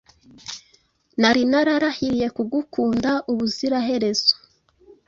Nari nararahiriye kugukunda ubuziraherezo